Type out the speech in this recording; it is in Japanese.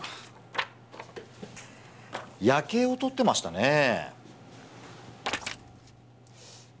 夜けいをとってましたね。